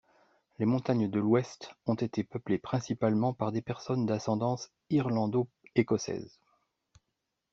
Les montagnes de l'ouest ont été peuplées principalement par des personnes d'ascendance irlando-écossaise.